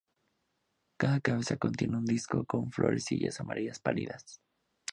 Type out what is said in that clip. Cada cabeza contiene un disco con florecillas amarillas pálidas.